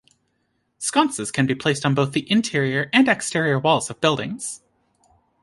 Sconces can be placed on both the interior and exterior walls of buildings.